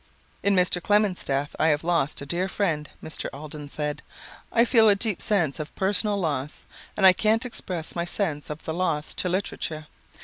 "In Mr. Clemens's death I have lost a dear friend," Mr. Alden said. "I feel a deep sense of personal loss. And I can't express my sense of the loss to literature.